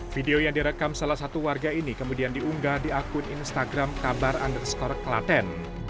video yang direkam salah satu warga ini kemudian diunggah di akun instagram kabar underscore klaten